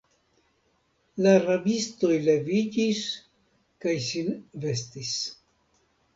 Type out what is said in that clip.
La rabistoj leviĝis kaj sin vestis.